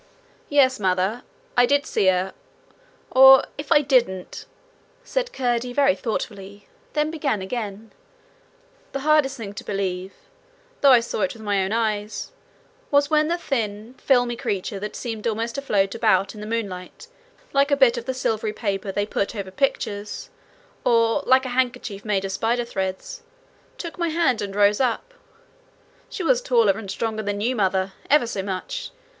'Yes, Mother, I did see her or if I didn't ' said Curdie very thoughtfully then began again. 'The hardest thing to believe, though I saw it with my own eyes, was when the thin, filmy creature that seemed almost to float about in the moonlight like a bit of the silver paper they put over pictures, or like a handkerchief made of spider threads, took my hand, and rose up. She was taller and stronger than you, Mother, ever so much!